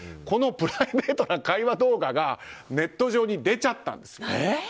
このプライベートな会話動画がネット上に出ちゃったんです。